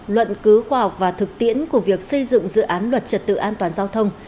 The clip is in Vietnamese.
luận cứu khoa học và thực tiễn của việc xây dựng dự án luật trật tự an toàn giao thông